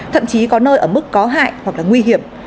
thậm chí có nơi ở mức có hại hoặc là nguy hiểm